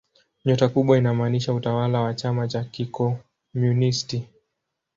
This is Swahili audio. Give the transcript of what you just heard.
Nyota kubwa inamaanisha utawala wa chama cha kikomunisti.